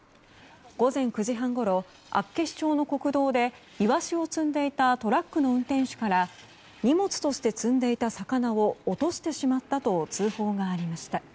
午前９時半ごろ厚岸町の国道でイワシを積んでいたトラックの運転手から荷物として積んでいた魚を落としてしまったと通報がありました。